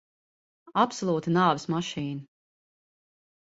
Absolūta nāves mašīna.